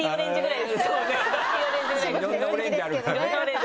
いろんなオレンジあるからね。